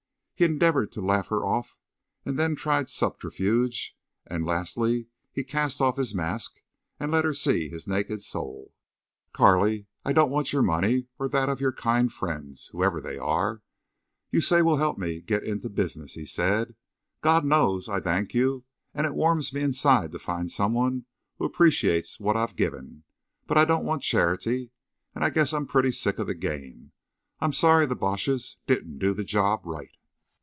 He endeavored to laugh her off, and then tried subterfuge, and lastly he cast off his mask and let her see his naked soul. "Carley, I don't want your money or that of your kind friends—whoever they are—you say will help me to get into business," he said. "God knows I thank you and it warms me inside to find some one who appreciates what I've given. But I don't want charity.... And I guess I'm pretty sick of the game. I'm sorry the Boches didn't do the job right."